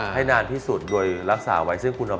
ให้นานที่สุดโดยรักษาไว้ซึ่งคุณ